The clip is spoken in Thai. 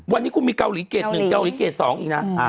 วันนี้กูมีเกาหลีเกจอีกนะ